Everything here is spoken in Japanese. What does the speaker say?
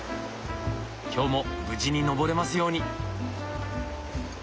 今日も無事に登れますように。